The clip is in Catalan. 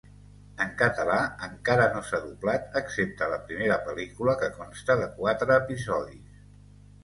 En català encara no s'ha doblat, excepte la primera pel·lícula, que consta de quatre episodis.